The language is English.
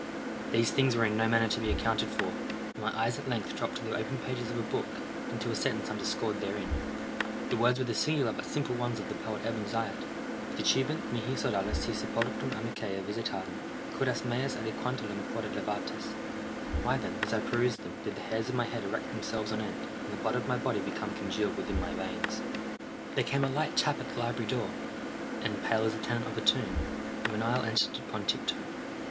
These things were in no manner to be accounted for, and my eyes at length dropped to the open pages of a book, and to a sentence underscored therein. The words were the singular but simple ones of the poet Ebn Zaiat:—"Dicebant mihi sodales si sepulchrum amicae visitarem, curas meas aliquantulum fore levatas." Why then, as I perused them, did the hairs of my head erect themselves on end, and the blood of my body become congealed within my veins? There came a light tap at the library door—and, pale as the tenant of a tomb, a menial entered upon tiptoe.